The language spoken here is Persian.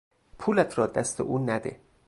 پولت را دست او نده!